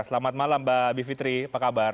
selamat malam mbak bivitri apa kabar